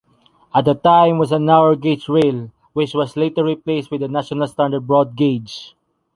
At the time it was a narrow-gauge rail, which was later replaced with the national standard broad gauge.